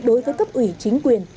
đối với cấp ủy chính quyền